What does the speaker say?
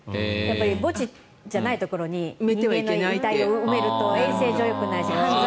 墓地じゃないところに人間の遺体を埋めると衛生上よくないし。